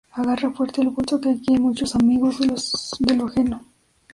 Agarra fuerte el bolso que aquí hay muchos amigos de lo ajeno